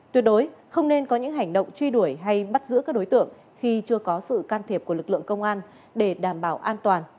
tuyệt đối không nên có những hành động truy đuổi hay bắt giữ các đối tượng khi chưa có sự can thiệp của lực lượng công an để đảm bảo an toàn